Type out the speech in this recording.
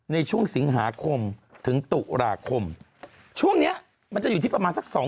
ในช่วงสิงหาคมถึงตุลาคมช่วงเนี้ยมันจะอยู่ที่ประมาณสักสอง